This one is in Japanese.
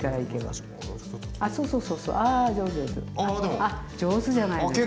あっ上手じゃないですか。